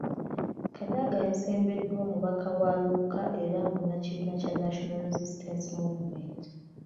Kadaga yasembeddwa omubaka wa Luuka era munnakibiina kya National Resistance Movement.